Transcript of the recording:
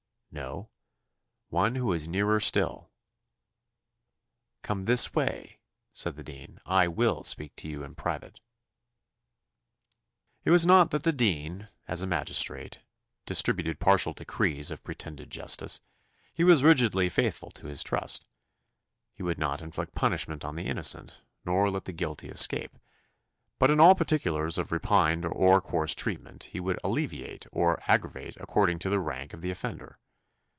"No; one who is nearer still." "Come this way," said the dean; "I will speak to you in private." It was not that the dean, as a magistrate, distributed partial decrees of pretended justice he was rigidly faithful to his trust: he would not inflict punishment on the innocent, nor let the guilty escape; but in all particulars of refined or coarse treatment he would alleviate or aggravate according to the rank of the offender.